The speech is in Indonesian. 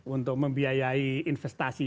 untuk membiayai investasi